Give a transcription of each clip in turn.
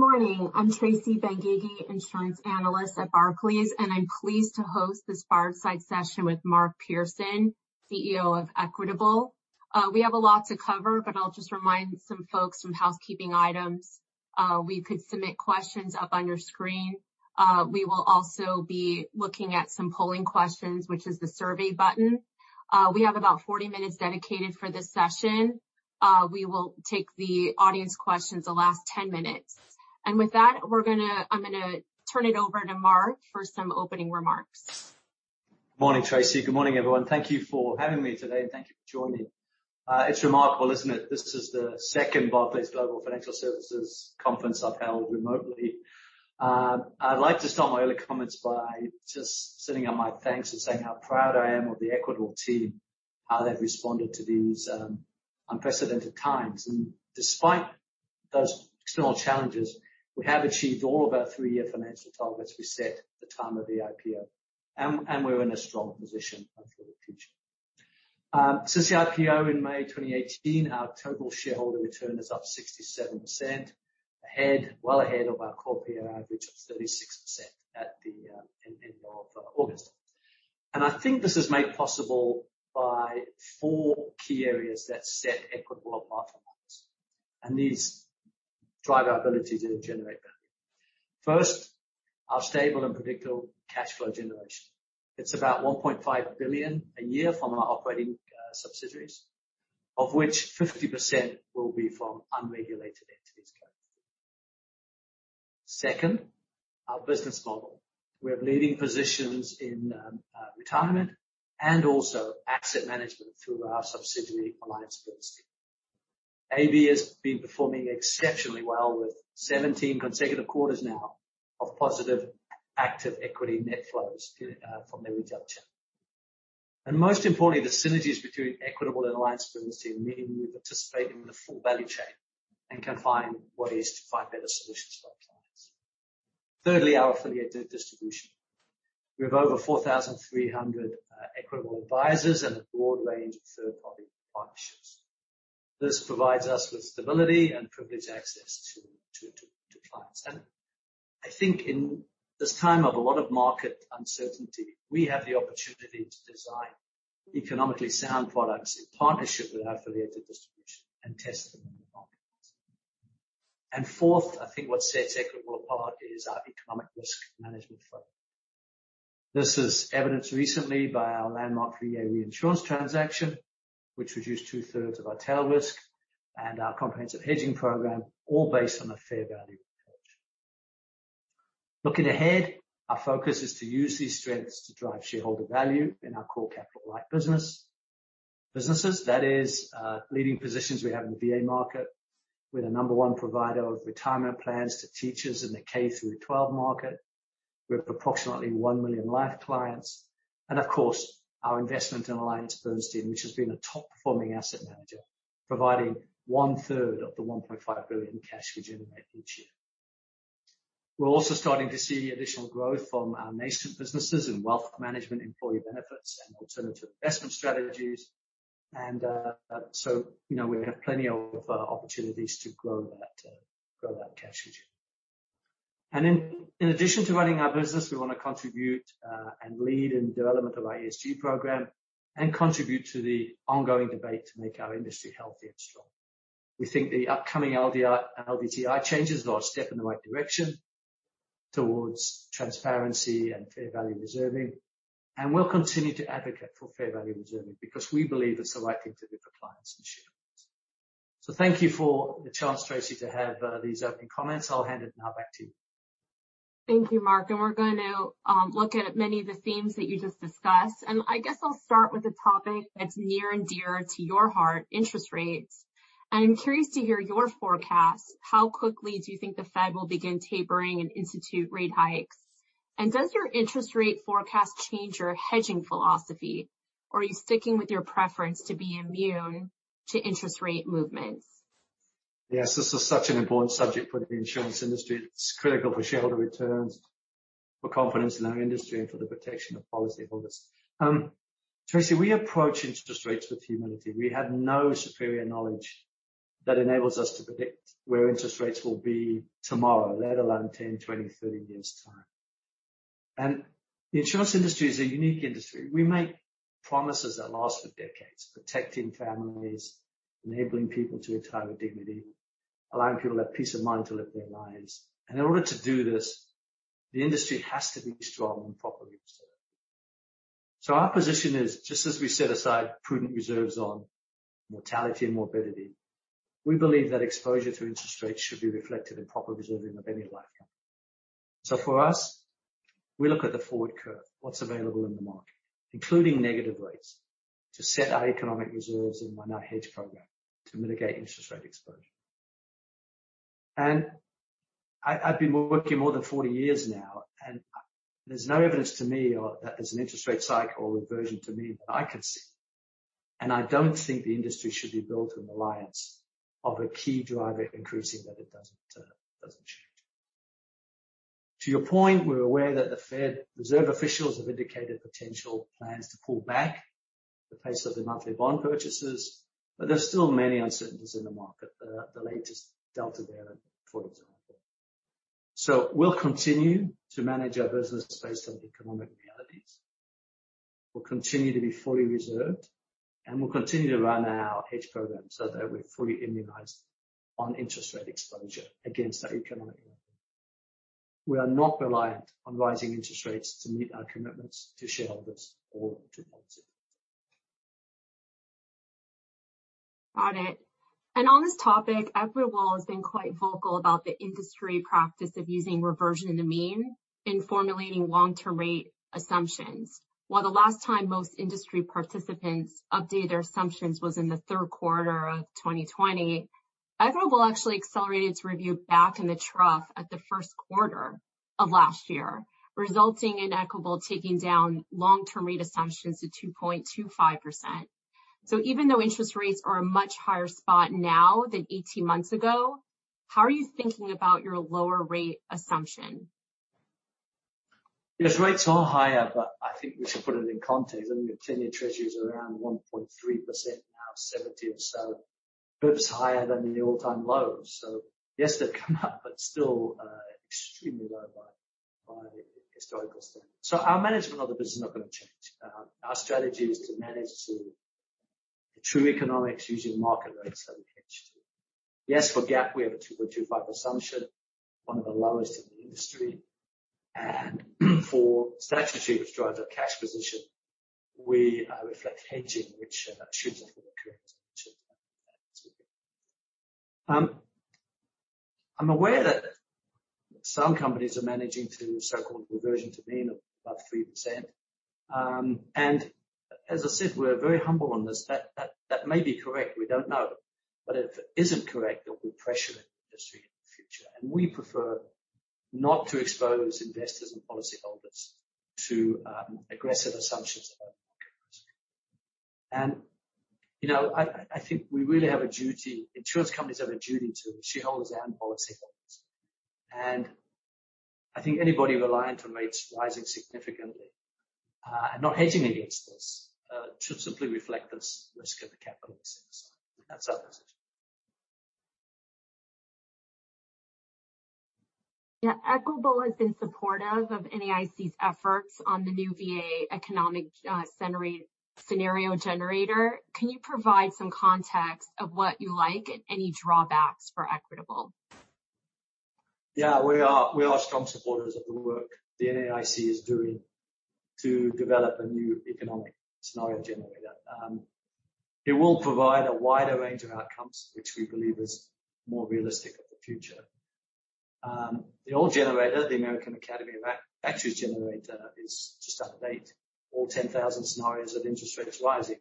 Good morning. I'm Tracy Benguigui, Insurance Analyst at Barclays. I'm pleased to host this fireside session with Mark Pearson, CEO of Equitable. We have a lot to cover, but I'll just remind some folks some housekeeping items. We could submit questions up on your screen. We will also be looking at some polling questions, which is the survey button. We have about 40 minutes dedicated for this session. We will take the audience questions the last 10 minutes. With that, I'm going to turn it over to Mark for some opening remarks. Morning, Tracy. Good morning, everyone. Thank you for having me today, and thank you for joining. It's remarkable, isn't it? This is the second Barclays Global Financial Services Conference I've held remotely. I'd like to start my early comments by just sending out my thanks and saying how proud I am of the Equitable team, how they've responded to these unprecedented times. Despite those external challenges, we have achieved all of our three-year financial targets we set at the time of the IPO, and we're in a strong position for the future. Since the IPO in May 2018, our total shareholder return is up 67%, well ahead of our core peer average of 36% at the end of August. I think this is made possible by four key areas that set Equitable apart from others, and these drive our ability to generate value. First, our stable and predictable cash flow generation. It's about $1.5 billion a year from our operating subsidiaries, of which 50% will be from unregulated entities going forward. Second, our business model. We have leading positions in retirement and also asset management through our subsidiary, AllianceBernstein. AB has been performing exceptionally well with 17 consecutive quarters now of positive active equity net of redemption. Most importantly, the synergies between Equitable and AllianceBernstein, meaning we participate in the full value chain and can find ways to find better solutions for our clients. Thirdly, our affiliated distribution. We have over 4,300 Equitable Advisors and a broad range of third-party partnerships. This provides us with stability and privileged access to clients. I think in this time of a lot of market uncertainty, we have the opportunity to design economically sound products in partnership with our affiliated distribution and test them in the marketplace. Fourth, I think what sets Equitable apart is our economic risk management framework. This is evidenced recently by our landmark VA reinsurance transaction, which reduced two-thirds of our tail risk and our comprehensive hedging program, all based on a fair value approach. Looking ahead, our focus is to use these strengths to drive shareholder value in our core capital-light businesses. That is leading positions we have in the VA market. We're the number one provider of retirement plans to teachers in the K through 12 market, with approximately 1 million life clients. Of course, our investment in AllianceBernstein, which has been a top-performing asset manager, providing one-third of the $1.5 billion cash we generate each year. We're also starting to see additional growth from our nascent businesses in wealth management, employee benefits, and alternative investment strategies. We have plenty of opportunities to grow that cash regime. In addition to running our business, we want to contribute and lead in development of our ESG program and contribute to the ongoing debate to make our industry healthy and strong. We think the upcoming LDTI change is a step in the right direction towards transparency and fair value reserving, we'll continue to advocate for fair value reserving because we believe it's the right thing to do for clients and shareholders. Thank you for the chance, Tracy, to have these opening comments. I'll hand it now back to you. Thank you, Mark. We're going to look at many of the themes that you just discussed. I guess I'll start with a topic that's near and dear to your heart, interest rates. I'm curious to hear your forecast. How quickly do you think the Fed will begin tapering and institute rate hikes? Does your interest rate forecast change your hedging philosophy, or are you sticking with your preference to be immune to interest rate movements? Yes, this is such an important subject for the insurance industry. It's critical for shareholder returns, for confidence in our industry, and for the protection of policyholders. Tracy, we approach interest rates with humility. We have no superior knowledge that enables us to predict where interest rates will be tomorrow, let alone 10, 20, 30 years' time. The insurance industry is a unique industry. We make promises that last for decades, protecting families, enabling people to retire with dignity, allowing people to have peace of mind to live their lives. In order to do this, the industry has to be strong and properly reserved. Our position is, just as we set aside prudent reserves on mortality and morbidity, we believe that exposure to interest rates should be reflected in proper reserving of any life company. For us, we look at the forward curve, what's available in the market, including negative rates, to set our economic reserves and run our hedge program to mitigate interest rate exposure. I've been working more than 40 years now, there's no evidence to me that there's an interest rate cycle or reversion to me that I can see. I don't think the industry should be built in reliance of a key driver increasing that it doesn't change. To your point, we're aware that the Federal Reserve officials have indicated potential plans to pull back the pace of their monthly bond purchases, there's still many uncertainties in the market. The latest Delta variant, for example. We'll continue to manage our business based on economic realities. We'll continue to be fully reserved, and we'll continue to run our hedge program so that we're fully immunized on interest rate exposure against our economic. We are not reliant on rising interest rates to meet our commitments to shareholders or to policyholders. Got it. On this topic, Equitable has been quite vocal about the industry practice of using reversion to the mean in formulating long-term rate assumptions. While the last time most industry participants updated their assumptions was in the third quarter of 2020, Equitable actually accelerated its review back in the trough at the first quarter of last year, resulting in Equitable taking down long-term rate assumptions to 2.25%. Even though interest rates are a much higher spot now than 18 months ago, how are you thinking about your lower rate assumption? Yes, rates are higher, but I think we should put it in context. I mean, the 10-year treasuries are around 1.3% now, 70 or so basis points higher than the all-time lows. Yes, they've come up, but still extremely low by historical standards. Our management of the business is not going to change. Our strategy is to manage to the true economics using market rates that we hedge to. Yes, for GAAP, we have a 2.25 assumption, one of the lowest in the industry. For statutory, which drives our cash position, we reflect hedging, which should therefore correct and should have an effect. I'm aware that some companies are managing to so-called reversion to mean of above 3%. As I said, we're very humble on this, that may be correct, we don't know. If it isn't correct, it will pressure the industry in the future. We prefer not to expose investors and policyholders to aggressive assumptions about market risk. I think we really have a duty, insurance companies have a duty to shareholders and policyholders. I think anybody reliant on rates rising significantly, and not hedging against this, should simply reflect this risk in the capital they set aside. That's our position. Yeah. Equitable has been supportive of NAIC's efforts on the new VA Economic Scenario Generator. Can you provide some context of what you like and any drawbacks for Equitable? Yeah. We are strong supporters of the work the NAIC is doing to develop a new Economic Scenario Generator. It will provide a wider range of outcomes, which we believe is more realistic of the future. The old generator, the American Academy of Actuaries generator, is just out of date. All 10,000 scenarios of interest rates rising.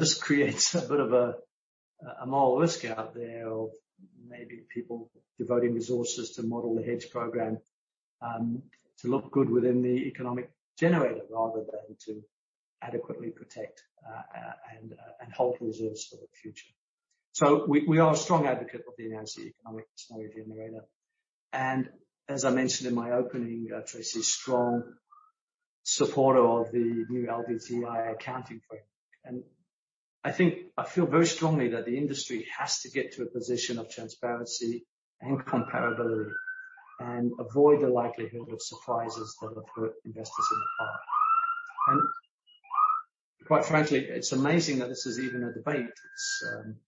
This creates a bit of a moral risk out there of maybe people devoting resources to model the hedge program to look good within the Economic Scenario Generator rather than to adequately protect and hold reserves for the future. We are a strong advocate of the NAIC Economic Scenario Generator. As I mentioned in my opening, Tracy, strong supporter of the new LDTI accounting framework. I think I feel very strongly that the industry has to get to a position of transparency and comparability and avoid the likelihood of surprises that have hurt investors in the past. Quite frankly, it's amazing that this is even a debate.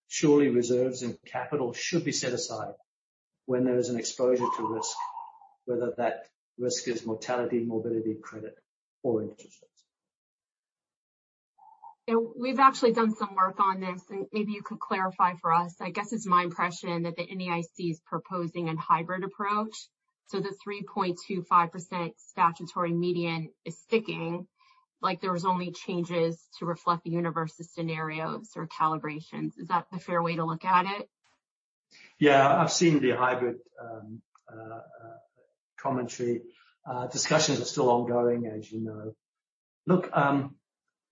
Surely reserves and capital should be set aside when there is an exposure to risk, whether that risk is mortality, morbidity, credit, or interest rates. We've actually done some work on this, and maybe you could clarify for us. I guess it's my impression that the NAIC is proposing a hybrid approach. The 3.25% statutory median is sticking, like there was only changes to reflect the universe's scenarios or calibrations. Is that a fair way to look at it? Yeah. I've seen the hybrid commentary. Discussions are still ongoing, as you know. Look,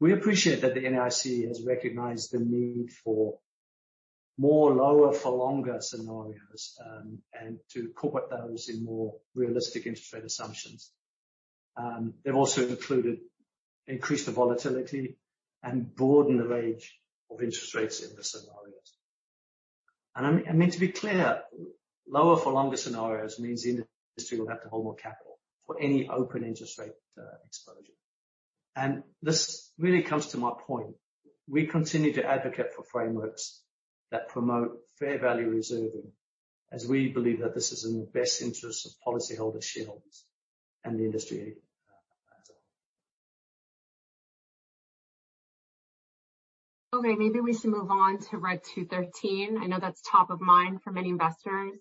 we appreciate that the NAIC has recognized the need for more lower for longer scenarios, and to incorporate those in more realistic interest rate assumptions. They've also included increased volatility and broaden the range of interest rates in the scenarios. I mean, to be clear, lower for longer scenarios means the industry will have to hold more capital for any open interest rate exposure. This really comes to my point. We continue to advocate for frameworks that promote fair value reserving, as we believe that this is in the best interest of policyholder shareholders and the industry as a whole. Okay, maybe we should move on to Reg 213. I know that's top of mind for many investors.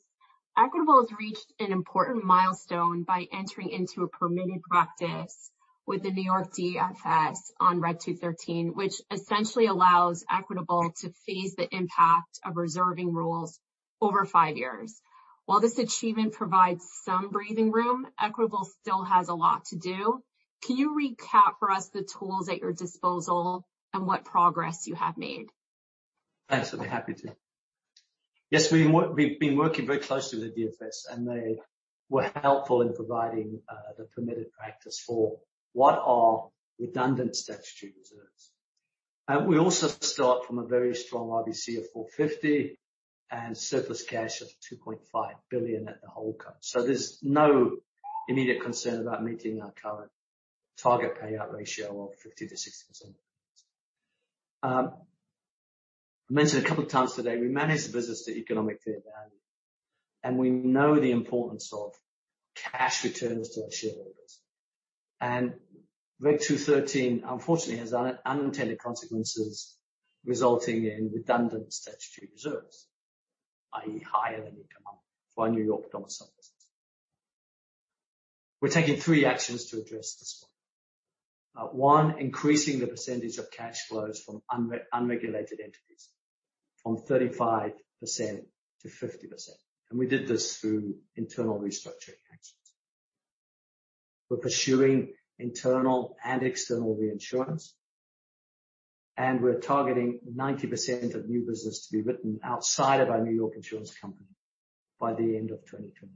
Equitable has reached an important milestone by entering into a permitted practice with the New York DFS on Reg 213, which essentially allows Equitable to phase the impact of reserving rules over five years. While this achievement provides some breathing room, Equitable still has a lot to do. Can you recap for us the tools at your disposal and what progress you have made? Thanks. I'd be happy to. Yes, we've been working very closely with the DFS, and they were helpful in providing the permitted practice for what are redundant statutory reserves. We also start from a very strong RBC of 450 and surplus cash of $2.5 billion at the holdco. There's no immediate concern about meeting our current target payout ratio of 50%-60%. I mentioned a couple of times today, we manage the business to economic fair value, and we know the importance of cash returns to our shareholders. Reg 213, unfortunately, has unintended consequences resulting in redundant statutory reserves, i.e., higher than economic for our New York domiciled business. We're taking three actions to address this one. One, increasing the percentage of cash flows from unregulated entities from 35%-50%. We did this through internal restructuring actions. We're pursuing internal and external reinsurance. We're targeting 90% of new business to be written outside of our New York insurance company by the end of 2022.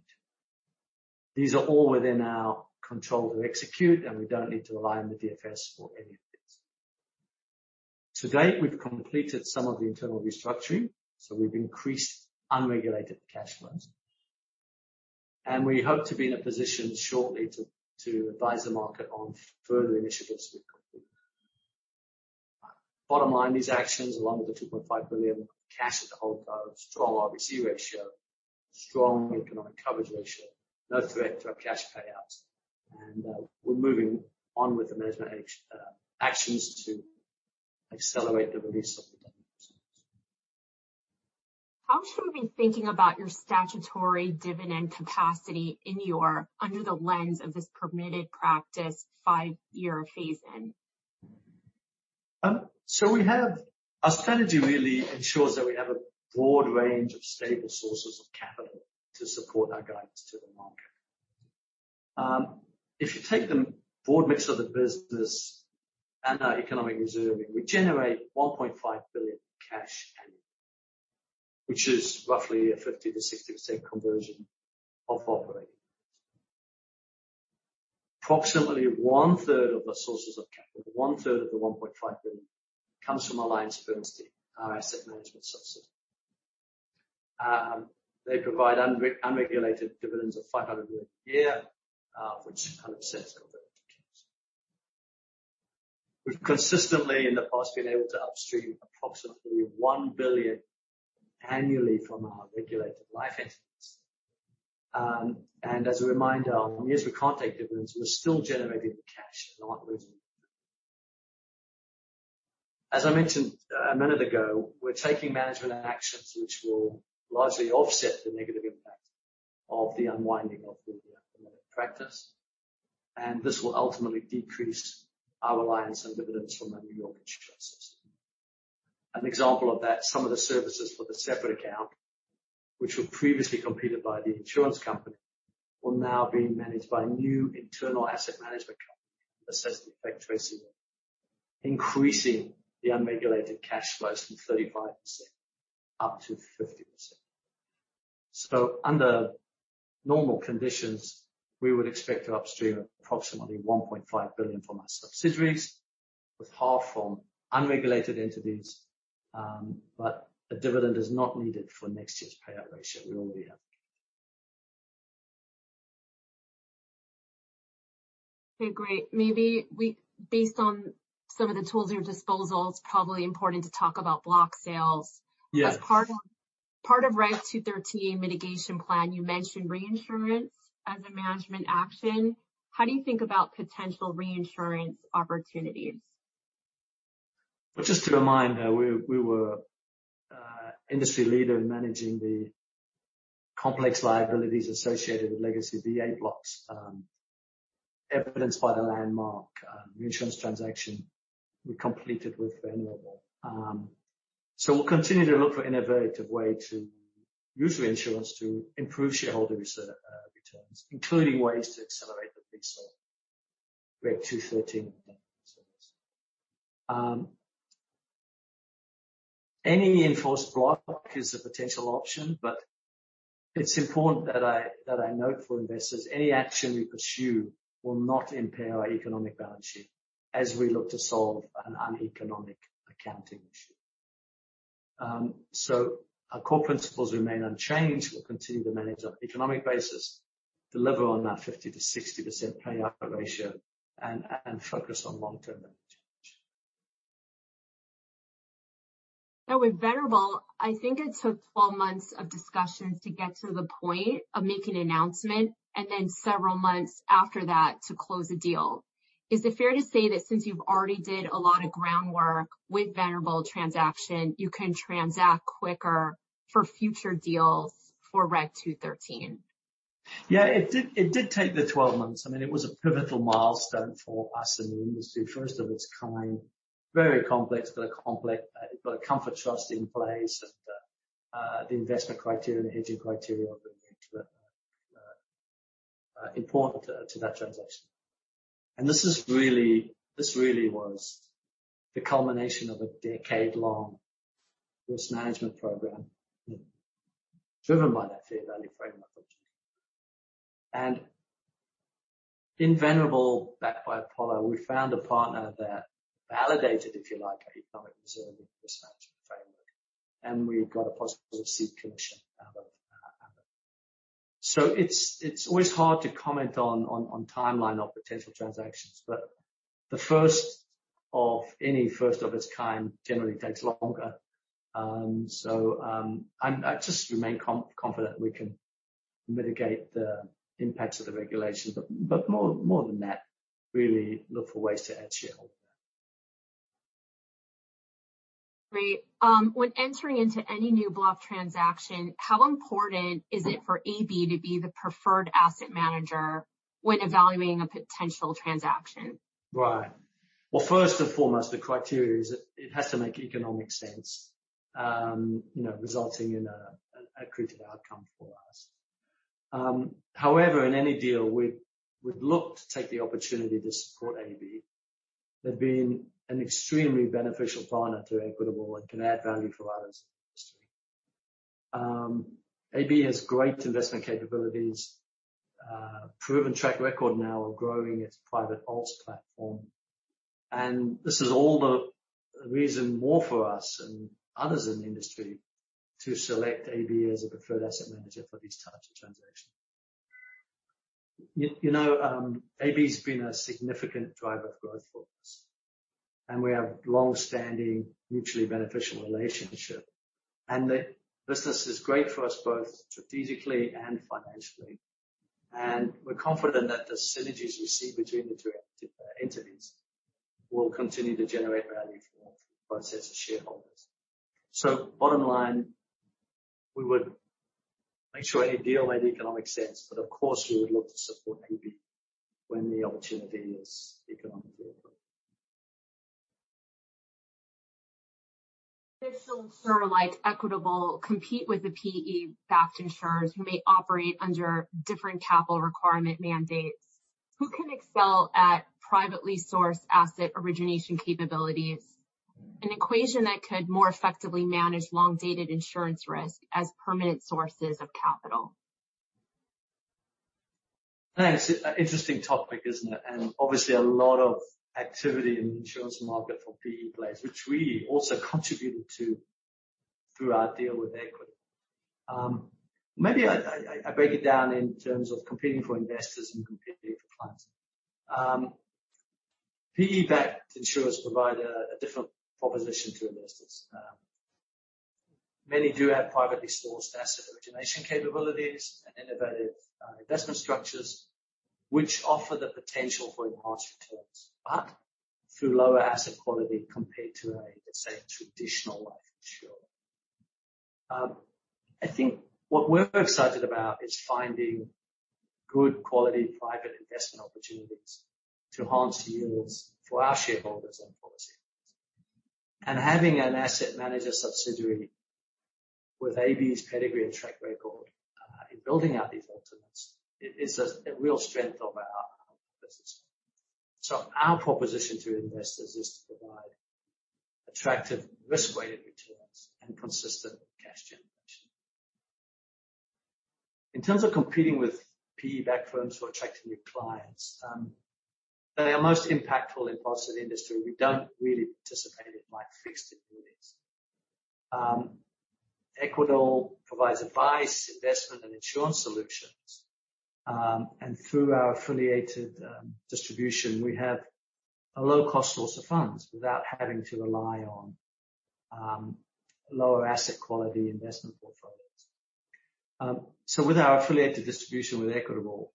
These are all within our control to execute. We don't need to rely on the DFS for any of this. To date, we've completed some of the internal restructuring, so we've increased unregulated cash flows. We hope to be in a position shortly to advise the market on further initiatives we've completed. Bottom line, these actions, along with the $2.5 billion cash at the holdco, strong RBC ratio, strong economic coverage ratio, no threat to our cash payouts. We're moving on with the management actions to accelerate the release of the redundant reserves. How should we be thinking about your statutory dividend capacity under the lens of this permitted practice 5-year phase-in? Our strategy really ensures that we have a broad range of stable sources of capital to support our guidance to the market. If you take the broad mix of the business and our economic reserving, we generate $1.5 billion cash annually, which is roughly a 50%-60% conversion of operating profits. Approximately one-third of the sources of capital, one-third of the $1.5 billion comes from AllianceBernstein, our asset management subsidiary. They provide unregulated dividends of $500 million a year, which kind of sets our floor. We've consistently, in the past, been able to upstream approximately $1 billion annually from our regulated life entities. As a reminder, on years we can't take dividends, we're still generating the cash. We're not losing it. As I mentioned a minute ago, we're taking management actions which will largely offset the negative impact of the unwinding of the economic practice, and this will ultimately decrease our reliance on dividends from our New York insurance entity. An example of that, some of the services for the separate account, which were previously completed by the insurance company, will now be managed by a new internal asset management company, Equitable Investment Management, increasing the unregulated cash flows from 35% up to 50%. Under normal conditions, we would expect to upstream approximately $1.5 billion from our subsidiaries, with half from unregulated entities. A dividend is not needed for next year's payout ratio. We already have the cash. Okay, great. Maybe based on some of the tools at your disposal, it's probably important to talk about block sales. Yes. As part of Reg 213 mitigation plan, you mentioned reinsurance as a management action. How do you think about potential reinsurance opportunities? Well, just to remind, we were industry leader in managing the complex liabilities associated with legacy VA blocks, evidenced by the landmark reinsurance transaction we completed with Venerable. We'll continue to look for innovative way to use reinsurance to improve shareholder returns, including ways to accelerate the pace of Reg 213 redundant reserves. Any in-force block is a potential option, but it's important that I note for investors, any action we pursue will not impair our economic balance sheet as we look to solve an uneconomic accounting issue. Our core principles remain unchanged. We'll continue to manage on economic basis, deliver on that 50%-60% payout ratio, and focus on long-term value creation. Now with Venerable, I think it took 12 months of discussions to get to the point of making an announcement and then several months after that to close a deal. Is it fair to say that since you've already did a lot of groundwork with Venerable transaction, you can transact quicker for future deals for Reg 213? Yeah. It did take the 12 months. I mean, it was a pivotal milestone for us in the industry. First of its kind, very complex, got a comfort trust in place and the investment criteria and the hedging criteria were met Important to that transaction. This really was the culmination of a decade-long risk management program driven by that fair value framework. In Venerable, backed by Apollo, we found a partner that validated, if you like, our economic reserve risk management framework, and we got a positive ceding commission out of it. It's always hard to comment on timeline of potential transactions, but the first of any first of its kind generally takes longer. I just remain confident we can mitigate the impacts of the regulations, but more than that, really look for ways to add shareholder value. Great. When entering into any new block transaction, how important is it for AB to be the preferred asset manager when evaluating a potential transaction? Right. Well, first and foremost, the criteria is that it has to make economic sense, resulting in an accretive outcome for us. However, in any deal, we'd look to take the opportunity to support AB. They've been an extremely beneficial partner to Equitable and can add value for others in the industry. AB has great investment capabilities, proven track record now of growing its private alts platform. This is all the reason more for us and others in the industry to select AB as a preferred asset manager for these types of transactions. AB's been a significant driver of growth for us, and we have longstanding mutually beneficial relationship. The business is great for us both strategically and financially. We're confident that the synergies we see between the two entities will continue to generate value for both sets of shareholders. Bottom line, we would make sure any deal made economic sense, but of course, we would look to support AB when the opportunity is economically appropriate. Equitable compete with the PE-backed insurers who may operate under different capital requirement mandates. Who can excel at privately sourced asset origination capabilities, an equation that could more effectively manage long-dated insurance risk as permanent sources of capital. That is an interesting topic, isn't it? Obviously a lot of activity in the insurance market for PE players, which we also contributed to through our deal with Equitable. Maybe I break it down in terms of competing for investors and competing for clients. PE-backed insurers provide a different proposition to investors. Many do have privately sourced asset origination capabilities and innovative investment structures, which offer the potential for enhanced returns, but through lower asset quality compared to a, let's say, traditional life insurer. I think what we're excited about is finding good quality private investment opportunities to enhance yields for our shareholders on policy. Having an asset manager subsidiary with AB's pedigree and track record in building out these alternates is a real strength of our business. Our proposition to investors is to provide attractive risk-weighted returns and consistent cash generation. In terms of competing with PE-backed firms for attracting new clients. They are most impactful in parts of the industry we do not really participate in, like fixed annuities. Equitable provides advice, investment, and insurance solutions. Through our affiliated distribution, we have a low-cost source of funds without having to rely on lower asset quality investment portfolios. With our affiliated distribution with Equitable,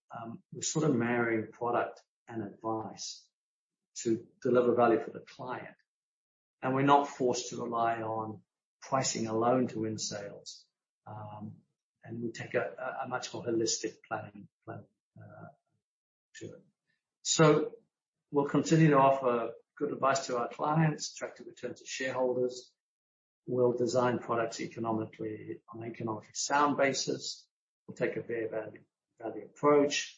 we're sort of marrying product and advice to deliver value for the client. We're not forced to rely on pricing alone to win sales. We take a much more holistic planning to it. We'll continue to offer good advice to our clients, attractive returns to shareholders. We'll design products on an economically sound basis. We'll take a fair value approach.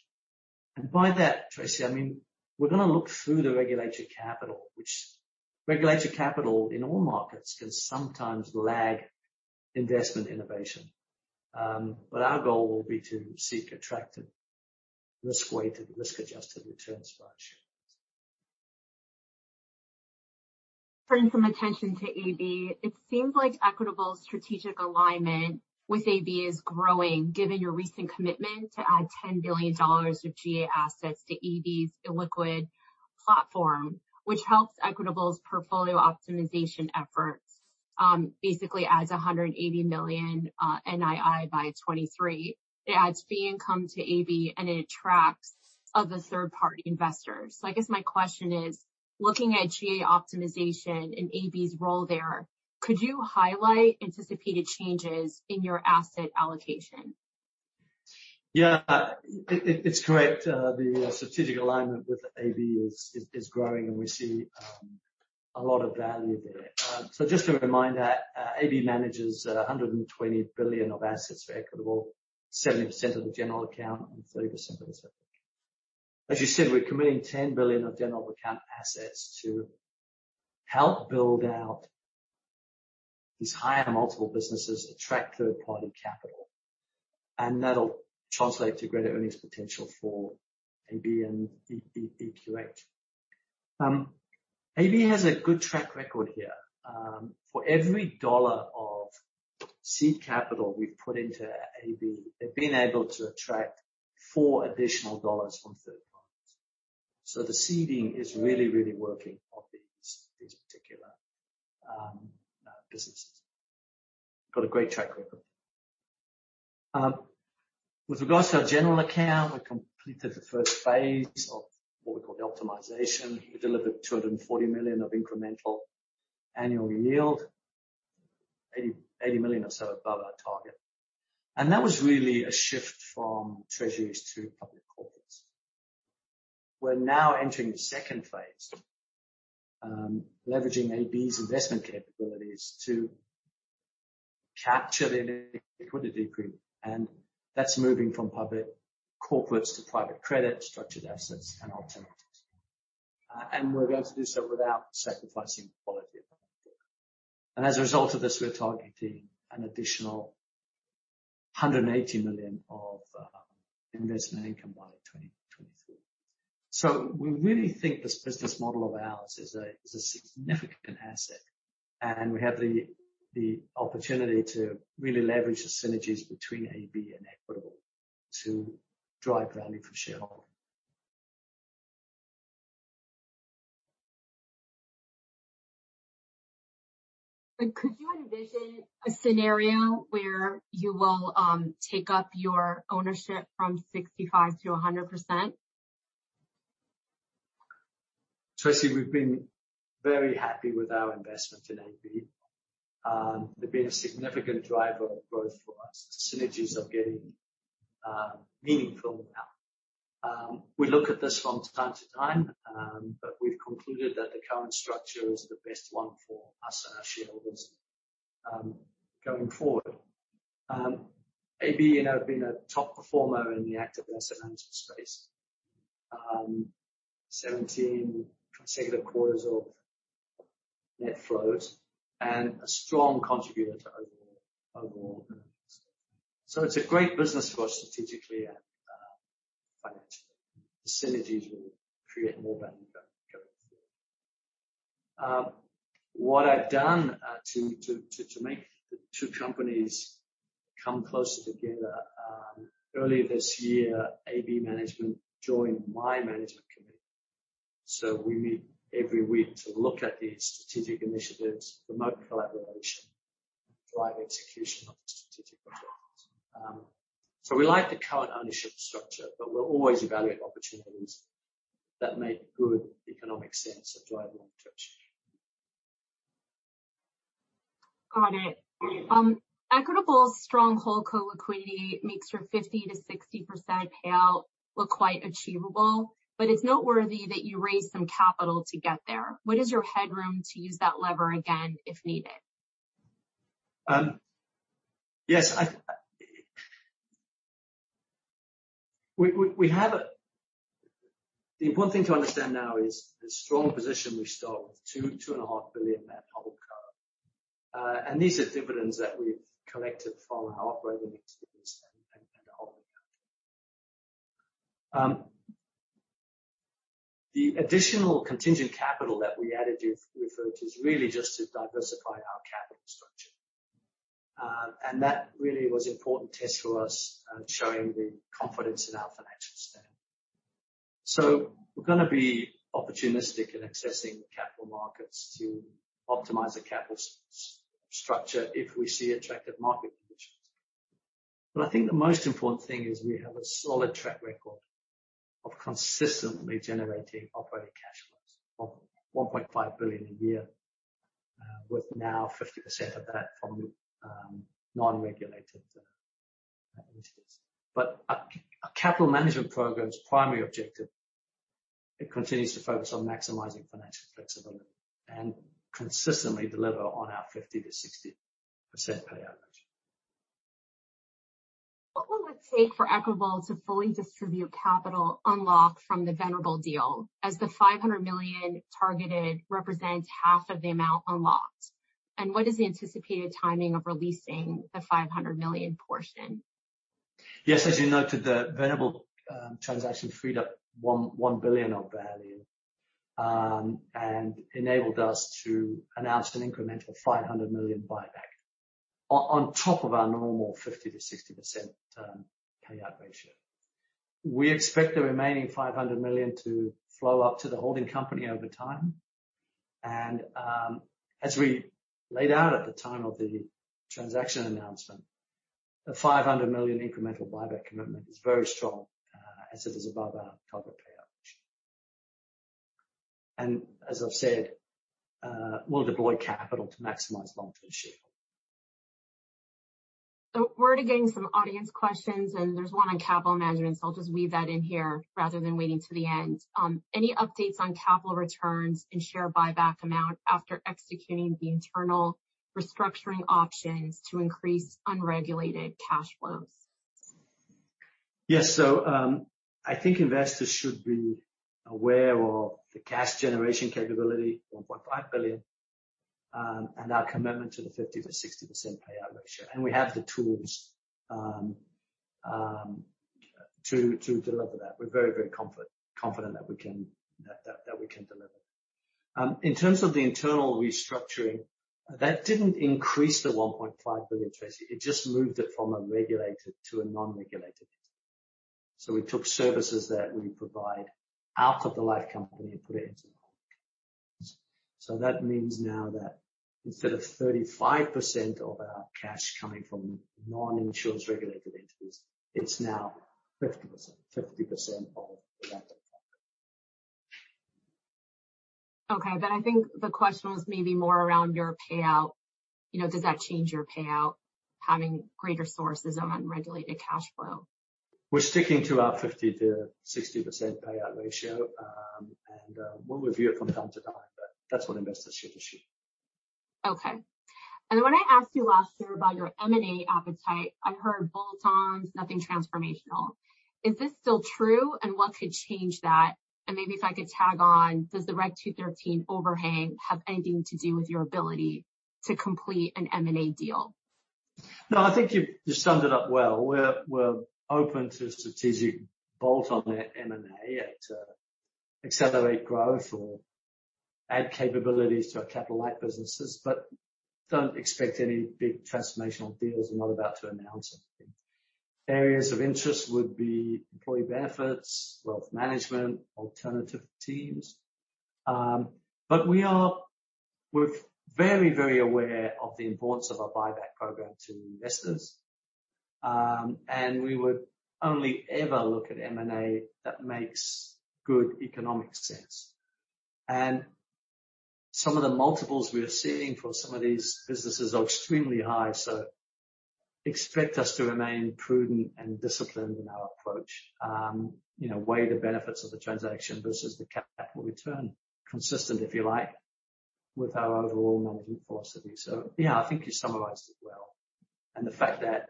By that, Tracy, I mean, we're going to look through the regulatory capital, which regulatory capital in all markets can sometimes lag investment innovation. Our goal will be to seek attractive risk-weighted, risk-adjusted returns for our shareholders. Turn some attention to AB. It seems like Equitable's strategic alignment with AB is growing, given your recent commitment to add $10 billion of GA assets to AB's illiquid platform, which helps Equitable's portfolio optimization efforts basically adds $180 million NII by 2023. It adds fee income to AB, and it attracts other third-party investors. I guess my question is, looking at GA optimization and AB's role there, could you highlight anticipated changes in your asset allocation? Yeah. It's correct. The strategic alignment with AB is growing, and we see a lot of value there. Just a reminder, AB manages $120 billion of assets for Equitable, 70% of the general account and 30% of the separate account. As you said, we are committing $10 billion of general account assets to help build out these higher multiple businesses, attract third-party capital, and that will translate to greater earnings potential for AB and EQH. AB has a good track record here. For every dollar of seed capital we have put into AB, they have been able to attract four additional dollars from third parties. The seeding is really working for these particular businesses. We have a great track record. With regards to our general account, we completed the first phase of what we call the optimization. We delivered $240 million of incremental annual yield, $80 million or so above our target. That was really a shift from treasuries to public corporates. We are now entering the second phase, leveraging AB's investment capabilities to capture the liquidity premium, and that is moving from public corporates to private credit, structured assets and alternatives. We are going to do so without sacrificing quality. As a result of this, we are targeting an additional $180 million of investment income by 2023. We really think this business model of ours is a significant asset, and we have the opportunity to really leverage the synergies between AB and Equitable to drive value for shareholders. Could you envision a scenario where you will take up your ownership from 65% to 100%? Tracy, we have been very happy with our investment in AB. They have been a significant driver of growth for us. The synergies are getting meaningful now. We look at this from time to time, but we have concluded that the current structure is the best one for us and our shareholders going forward. AB have been a top performer in the active asset management space. Seventeen consecutive quarters of net flows and a strong contributor to overall earnings. It is a great business for us strategically and financially. The synergies will create more value going forward. What I have done to make the two companies come closer together, earlier this year, AB management joined my management committee. We meet every week to look at these strategic initiatives, promote collaboration, drive execution of the strategic objectives. We like the current ownership structure, but we'll always evaluate opportunities that make good economic sense and drive long-term sharehold value. Got it. Equitable's strong holdco liquidity makes your 50%-60% payout look quite achievable, but it's noteworthy that you raised some capital to get there. What is your headroom to use that lever again if needed? Yes. The important thing to understand now is the strong position we've started with, $2.5 billion net tangible cover. These are dividends that we've collected from our operating experience and the holding company. The additional contingent capital that we added [with her is really just to diversify our capital structure. That really was important test for us, showing the confidence in our financial standing. We're going to be opportunistic in accessing the capital markets to optimize the capital structure if we see attractive market conditions. I think the most important thing is we have a solid track record of consistently generating operating cash flows of $1.5 billion a year, with now 50% of that from non-regulated initiatives. A capital management program's primary objective, it continues to focus on maximizing financial flexibility and consistently deliver on our 50%-60% payout ratio. What will it take for Equitable to fully distribute capital unlocked from the Venerable deal, as the $500 million targeted represents half of the amount unlocked? What is the anticipated timing of releasing the $500 million portion? Yes, as you noted, the Venerable transaction freed up $1 billion of value and enabled us to announce an incremental $500 million buyback on top of our normal 50%-60% payout ratio. We expect the remaining $500 million to flow up to the holding company over time. As we laid out at the time of the transaction announcement, the $500 million incremental buyback commitment is very strong as it is above our covered payout ratio. As I've said, we'll deploy capital to maximize long-term shareholder value We're getting some audience questions, there's one on capital management. I'll just weave that in here rather than waiting till the end. Any updates on capital returns and share buyback amount after executing the internal restructuring options to increase unregulated cash flows? Yes. I think investors should be aware of the cash generation capability, $1.5 billion, and our commitment to the 50%-60% payout ratio. We have the tools to deliver that. We're very confident that we can deliver. In terms of the internal restructuring, that didn't increase the $1.5 billion, Tracy. It just moved it from a regulated to a non-regulated entity. We took services that we provide out of the life company and put it into non-life companies. That means now that instead of 35% of our cash coming from non-insurance regulated entities, it's now 50% of the latter. Okay. I think the question was maybe more around your payout. Does that change your payout, having greater sources of unregulated cash flow? We're sticking to our 50%-60% payout ratio, and we'll review it from time to time. That's what investors should assume. Okay. When I asked you last year about your M&A appetite, I heard bolt-ons, nothing transformational. Is this still true, and what could change that? Maybe if I could tag on, does the Regulation 213 overhang have anything to do with your ability to complete an M&A deal? No, I think you've summed it up well. We're open to strategic bolt-on M&A to accelerate growth or add capabilities to our capital light businesses. Don't expect any big transformational deals. I'm not about to announce anything. Areas of interest would be employee benefits, wealth management, alternative teams. We're very aware of the importance of our buyback program to investors. We would only ever look at M&A that makes good economic sense. Some of the multiples we are seeing for some of these businesses are extremely high. Expect us to remain prudent and disciplined in our approach. Weigh the benefits of the transaction versus the capital return. Consistent, if you like, with our overall management philosophy. yeah, I think you summarized it well. The fact that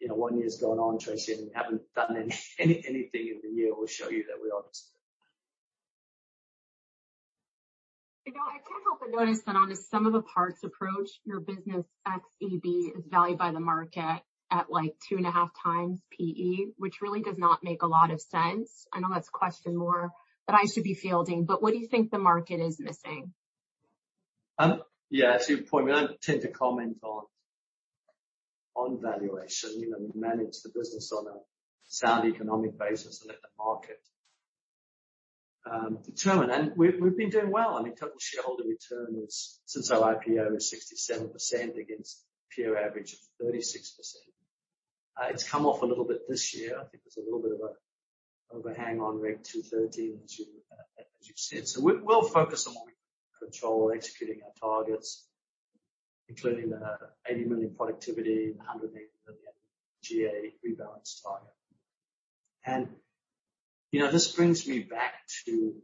one year's gone on, Tracy, and we haven't done anything in the year will show you that we are disciplined. I can't help but notice that on a sum of the parts approach, your business ex AB is valued by the market at two and a half times PE, which really does not make a lot of sense. What do you think the market is missing? To your point, we don't tend to comment on valuation. We manage the business on a sound economic basis and let the market determine. We've been doing well. Total shareholder return since our IPO is 67% against peer average of 36%. It's come off a little bit this year. I think there's a little bit of a hang on Reg 213, as you said. We'll focus on what we can control, executing our targets, including the $80 million productivity and $180 million GA rebalance target. This brings me back to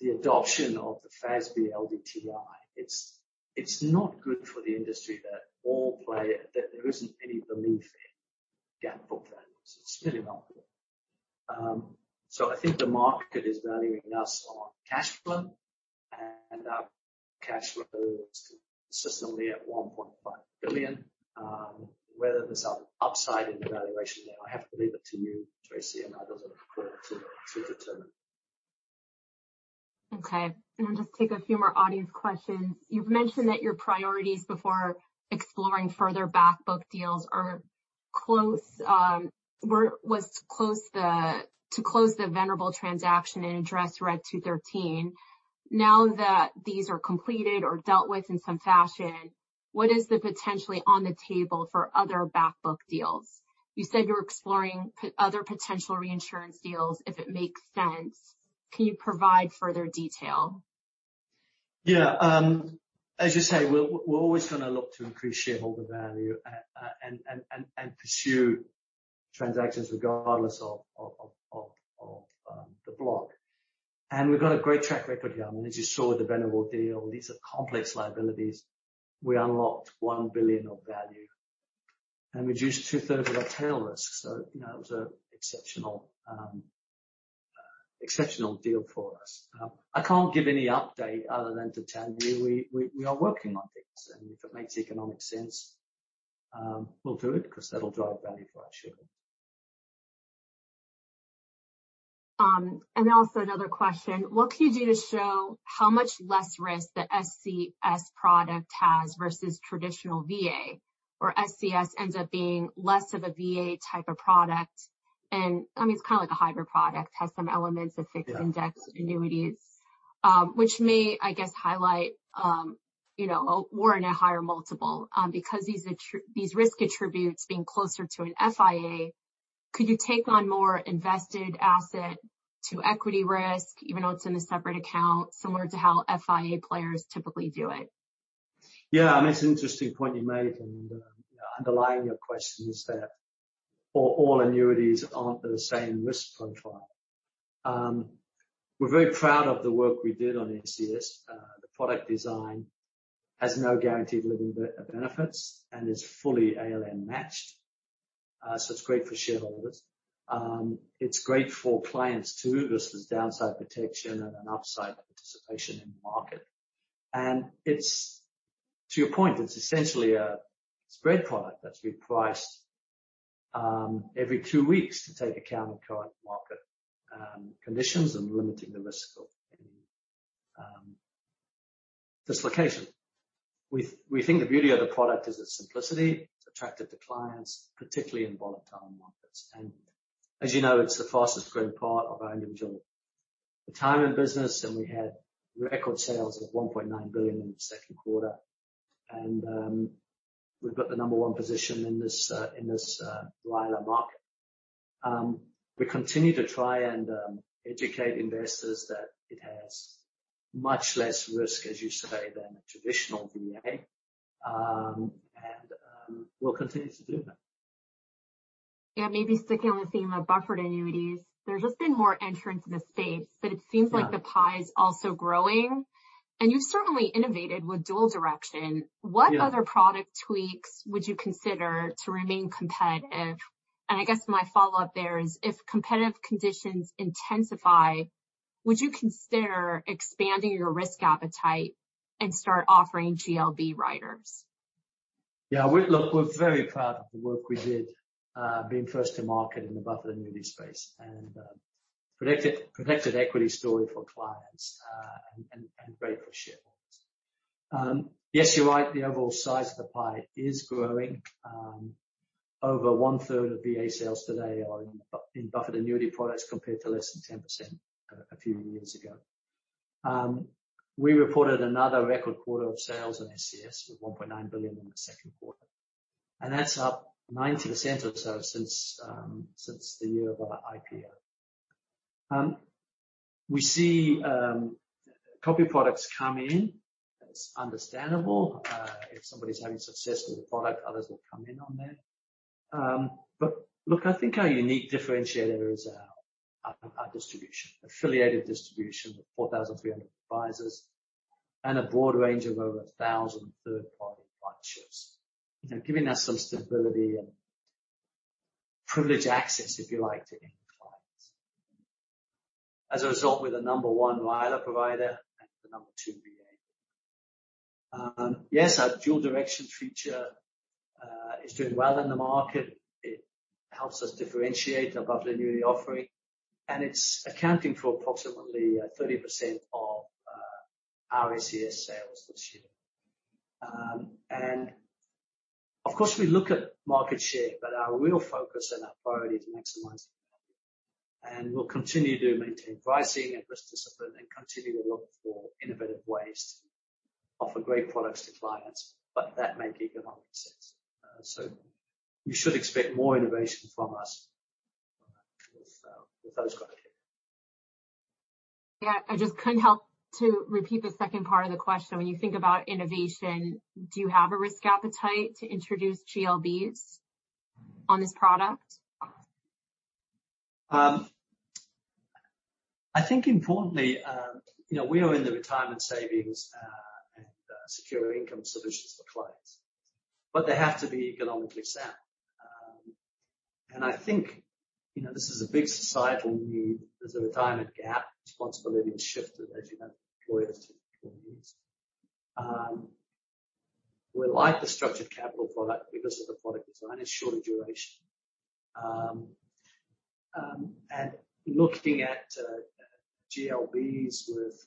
the adoption of the FASB LDTI. It's not good for the industry that there isn't any belief in GAAP book values. It's really not good. I think the market is valuing us on cash flow, and our cash flow is consistently at $1.5 billion. Whether there's upside in the valuation, I have to leave it to you, Tracy, and others on the call to determine. Okay. I'll just take a few more audience questions. You've mentioned that your priorities before exploring further back book deals was to close the Venerable transaction and address Reg 213. Now that these are completed or dealt with in some fashion, what is potentially on the table for other back book deals? You said you were exploring other potential reinsurance deals if it makes sense. Can you provide further detail? Yeah. As you say, we're always going to look to increase shareholder value and pursue transactions regardless of the block. We've got a great track record here. As you saw with the Venerable deal, these are complex liabilities. We unlocked $1 billion of value and reduced two-thirds of our tail risk. It was an exceptional deal for us. I can't give any update other than to tell you we are working on things, if it makes economic sense, we'll do it because that'll drive value for our shareholders. Also another question. What can you do to show how much less risk the SCS product has versus traditional VA? SCS ends up being less of a VA type of product, and it's kind of like a hybrid product, has some elements of fixed index annuities. Which may, I guess, highlight, we're in a higher multiple because these risk attributes being closer to an FIA. Could you take on more invested asset to equity risk, even though it's in a separate account, similar to how FIA players typically do it? Yeah, it's an interesting point you made. Underlying your question is that all annuities aren't the same risk profile. We're very proud of the work we did on SCS. The product design has no guaranteed living benefits and is fully ALM matched. It's great for shareholders. It's great for clients, too. This is downside protection and an upside participation in the market. To your point, it's essentially a spread product that's repriced every two weeks to take account of current market conditions and limiting the risk of any dislocation. We think the beauty of the product is its simplicity. It's attractive to clients, particularly in volatile markets. As you know, it's the fastest growing part of our individual retirement business, and we had record sales of $1.9 billion in the second quarter. We've got the number one position in this RILA market. We continue to try and educate investors that it has much less risk, as you say, than a traditional VA, and we'll continue to do that. Yeah. Maybe sticking on the theme of buffered annuities. There's just been more entrants in the space, but it seems like the pie is also growing, and you've certainly innovated with Dual Direction. Yeah. What other product tweaks would you consider to remain competitive? I guess my follow-up there is, if competitive conditions intensify, would you consider expanding your risk appetite and start offering GLB riders? Yeah. Look, we're very proud of the work we did being first to market in the buffered annuity space and protected equity story for clients, and great for shareholders. Yes, you're right, the overall size of the pie is growing. Over one-third of VA sales today are in buffered annuity products, compared to less than 10% a few years ago. We reported another record quarter of sales in SCS with $1.9 billion in the second quarter, and that's up 90% or so since the year of our IPO. We see copy products come in. That's understandable. If somebody's having success with a product, others will come in on that. Look, I think our unique differentiator is our distribution, affiliated distribution with 4,300 advisors and a broad range of over 1,000 third-party branches. Giving us some stability and privileged access, if you like, to end clients. we're the number one RILA provider and the number two VA. Yes, our Dual Direction feature is doing well in the market. It helps us differentiate our buffered annuity offering, and it's accounting for approximately 30% of our SCS sales this year. Of course, we look at market share, our real focus and our priority is maximizing value. We'll continue to maintain pricing and risk discipline and continue to look for innovative ways to offer great products to clients. That may be economical. You should expect more innovation from us with those criteria. I just couldn't help to repeat the second part of the question. When you think about innovation, do you have a risk appetite to introduce GLB on this product? I think importantly, we are in the retirement savings and secure income solutions for clients, they have to be economically sound. I think this is a big societal need. There's a retirement gap. Responsibility has shifted, as you know, from employers to employees. We like the structured capital product because of the product design. It's shorter duration. Looking at GLBs with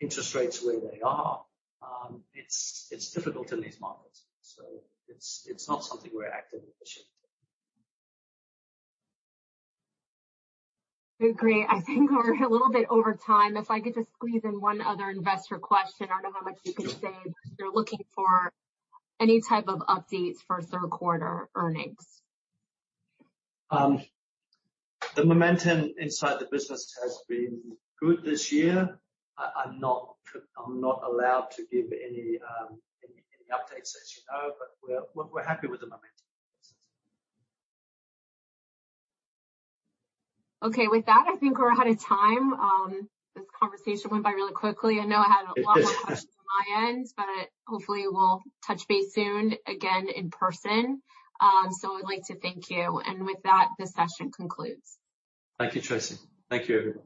interest rates where they are, it's difficult in these markets. It's not something we're actively pushing. Great. I think we're a little bit over time. If I could just squeeze in one other investor question. I don't know how much you can say because they're looking for any type of updates for third quarter earnings. The momentum inside the business has been good this year. I'm not allowed to give any updates, as you know. We're happy with the momentum. Okay. With that, I think we're out of time. This conversation went by really quickly. I know I had a lot more questions on my end. Hopefully we'll touch base soon again in person. I'd like to thank you. With that, this session concludes. Thank you, Tracy. Thank you, everyone.